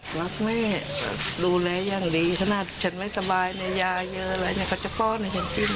หรือว่าเจ๊ก็ไม่รู้นะจะไม่ได้ดูทริปดูอะไรมันเขียวแล้วมันบ่วมมันปวดแก้วหูปวด